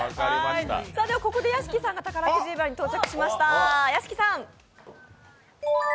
ここで屋敷さんが宝くじ売り場に到着しました。